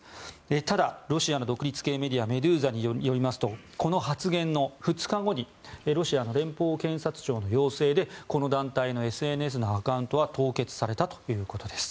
ただ、ロシアの独立系メディアメドゥーザによりますとこの発言の２日後にロシアの連邦検察庁の要請でこの団体のＳＮＳアカウントは凍結されたということです。